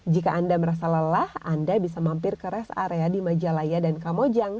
jika anda merasa lelah anda bisa mampir ke rest area di majalaya dan kamojang